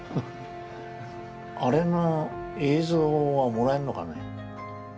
あれの映像はもらえんのかね。